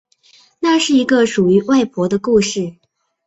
那是一个属于外婆的故事